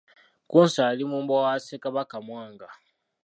Kkunsa yali mumbowa wa Ssekabaka Mwanga.